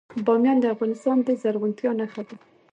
بامیان د افغانستان د زرغونتیا نښه ده.